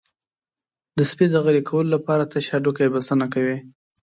د سپي د غلي کولو لپاره تش هډوکی بسنه کوي.